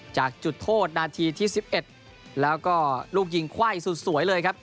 จากจุดโทษนาทีที่๑๑แล้วก็ลูกยิงไขว้สุดสวยเลยครับ